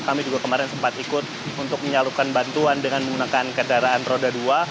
kami juga kemarin sempat ikut untuk menyalurkan bantuan dengan menggunakan kendaraan roda dua